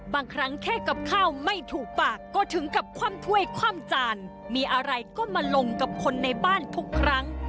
บางครั้งแค่กับข้าวไม่ถูกปากก็ถึงกับคว่ำถ้วยคว่ำจานมีอะไรก็มาลงกับคนในบ้านทุกครั้ง